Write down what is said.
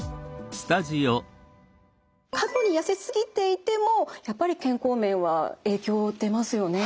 過去にやせすぎていてもやっぱり健康面は影響出ますよね？